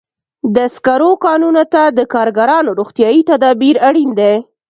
د سکرو کانونو ته د کارګرانو روغتیايي تدابیر اړین دي.